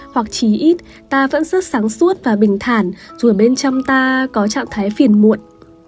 hoặc trí ít ta vẫn rất sáng suốt và bình thản dù bên trong ta có trạng thái phiền muộn